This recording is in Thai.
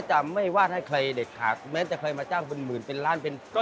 จะไม่วาดให้ใครเด็กขาแม้จะใครมาจ้างพลเมืองเป็นละพิการ